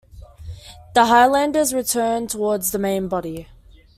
The Highlanders returned towards the main body.